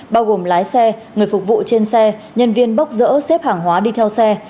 bao gồm lái xe người phục vụ trên xe nhân viên bốc rỡ xếp hàng hóa đi theo xe